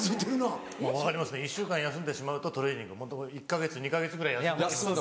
１週間休んでしまうとトレーニング１か月２か月ぐらい休んだ気持ち。